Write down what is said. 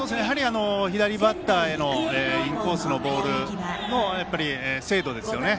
左バッターへのインコースのボールの精度ですよね。